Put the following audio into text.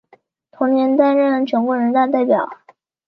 同年担任全国人大代表。